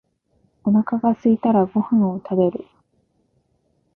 お腹がすいたらご飯を食べる。